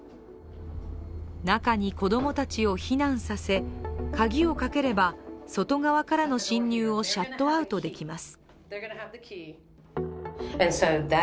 中に子供たちを避難させ鍵をかければ外側からの侵入をシャットアウトできます。